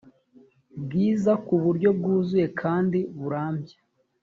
bwiza ku buryo bwuzuye kandi burambye